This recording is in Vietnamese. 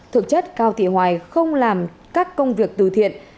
thực chất cao thị hoài không làm các công việc từ thiện